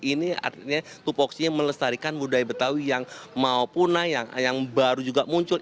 ini artinya tupoksi melestarikan budaya betawi yang mau punah yang baru juga muncul